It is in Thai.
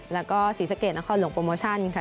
แล้วก็ศรีสะเกดนครหลวงโปรโมชั่นค่ะ